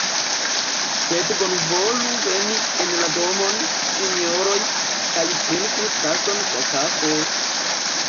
Sed bonvolu veni en la domon, sinjoroj, kaj trinku tason da kafo!